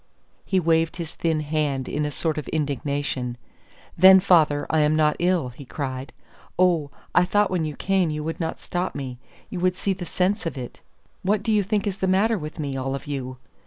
He waved his thin hand with a sort of indignation. "Then, father, I am not ill," he cried. "Oh, I thought when you came you would not stop me, you would see the sense of it! What do you think is the matter with me, all of you?